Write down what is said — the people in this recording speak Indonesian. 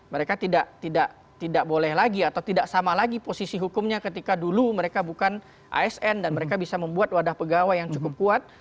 mereka tidak boleh lagi atau tidak sama lagi posisi hukumnya ketika dulu mereka bukan asn dan mereka bisa membuat wadah pegawai yang cukup kuat